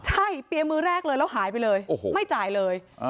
ใช่เปียร์มือแรกเลยแล้วหายไปเลยไม่จ่ายเลย